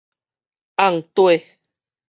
甕底